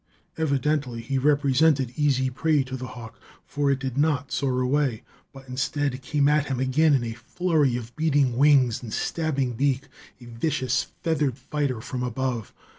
Evidently he represented easy prey to the hawk, for it did not soar away, but instead came at him again in a flurry of beating wings and stabbing beak, a vicious, feathered fighter from above.